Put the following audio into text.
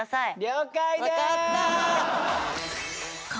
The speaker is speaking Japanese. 了解でーす。